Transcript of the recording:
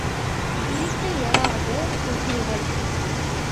பிரிக்க இயலாத துகள்கள்.